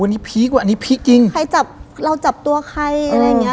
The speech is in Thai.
อันนี้พีคกว่าอันนี้พีคจริงใครจับเราจับตัวใครอะไรอย่างเงี้